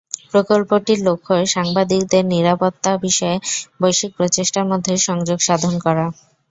প্রকল্পটির লক্ষ্য, সাংবাদিকদের নিরাপত্তা বিষয়ে বৈশ্বিক প্রচেষ্টার মধ্যে সংযোগ সাধন করা।